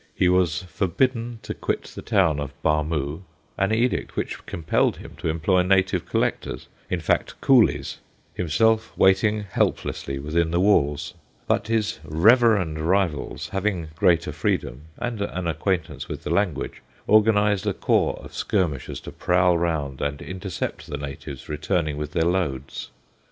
He was forbidden to quit the town of Bhamo, an edict which compelled him to employ native collectors in fact, coolies himself waiting helplessly within the walls; but his reverend rivals, having greater freedom and an acquaintance with the language, organized a corps of skirmishers to prowl round and intercept the natives returning with their loads.